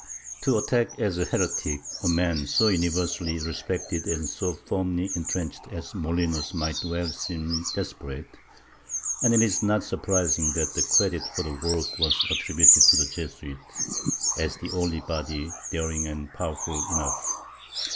To attack as a heretic a man so universally respected and so firmly entrenched as Molinos might well seem desperate, and it is not surprising that the credit for the work was attributed to the Jesuits, as the only body daring and powerful enough.